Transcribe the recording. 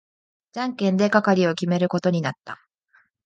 じゃんけんで係を決めることになった。